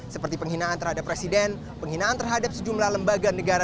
seperti penghinaan terhadap presiden penghinaan terhadap sejumlah lembaga negara